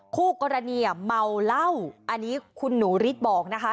คู่กรณีเมาเหล้าอันนี้คุณหนูฤทธิ์บอกนะคะ